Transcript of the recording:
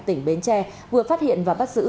tỉnh bến tre vừa phát hiện và bắt giữ